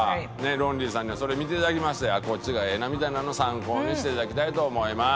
ロンリーさんにはそれ見ていただきましてこっちがええなみたいなのを参考にしていただきたいと思います。